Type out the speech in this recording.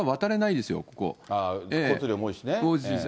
交通量も多いしね。